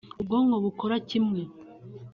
ubwonko bukora kimwe